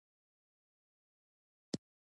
خټکی پاک خوراک دی.